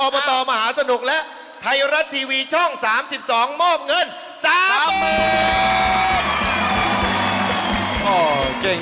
อบตมหาสนุกและไทยรัตน์ทีวีช่อง๓๒โม่มเงิน๓หมื่น